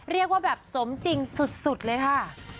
เรียกว่าแบบสมจริงสุดเลยค่ะ